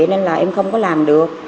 nên là em không có làm được